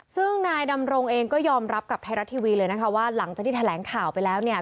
ซึ่งนายดำรงเองก็ยอมรับกับไทยรัฐทีวีเลยนะคะว่าหลังจากที่แถลงข่าวไปแล้วเนี่ย